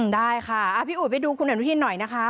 ได้ค่ะพี่อุ๋ยไปดูคุณอนุทินหน่อยนะคะ